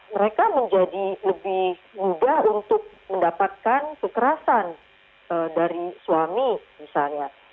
mereka menjadi lebih mudah untuk mendapatkan kekerasan dari suami misalnya